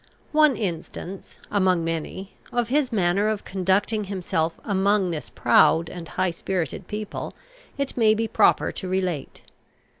One instance, among many, of his manner of conducting himself among this proud and high spirited people it may be proper to relate.